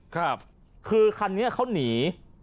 ครับคือคันนี้อ่ะเขาหนี